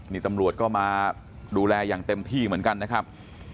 นี่ตำรวจก็มาดูแลอย่างเต็มที่เหมือนกันนะครับ